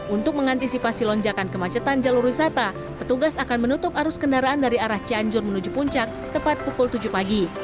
untuk mengantisipasi lonjakan kemacetan jalur wisata petugas akan menutup arus kendaraan dari arah cianjur menuju puncak tepat pukul tujuh pagi